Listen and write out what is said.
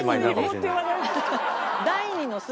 追放って言わないで。